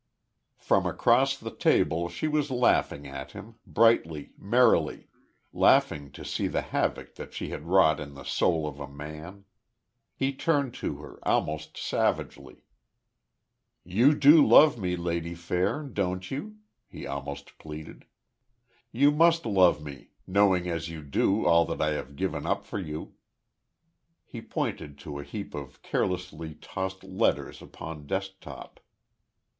From across the table she was laughing at him, brightly, merrily laughing to see the havoc that she had wrought in the soul of a man. He turned to her, almost savagely. "You do love me, Lady Fair, don't you?" he almost pleaded. "You must love me, knowing as you do all that I have given up for you." He pointed to a heap of carelessly tossed letters upon desk top.